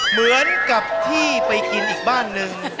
เหมือนกับที่ไปกินอีกบ้านหนึ่ง